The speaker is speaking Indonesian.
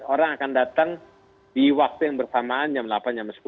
orang akan datang di waktu yang bersamaan jam delapan jam sepuluh